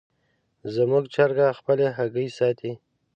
زموږ چرګه خپلې هګۍ ساتي.